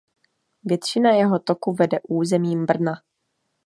Většina jeho toku vede územím Brna.